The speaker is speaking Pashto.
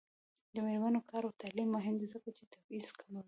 د میرمنو کار او تعلیم مهم دی ځکه چې تبعیض کموي.